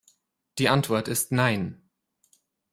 Die Antwort ist "nein".